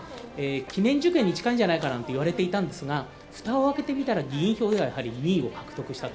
記念受験に近いんじゃないかと言われていたんですが、ふたを開けてみたら、議員票では２位を獲得したと。